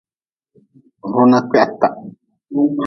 Runa kwihatah.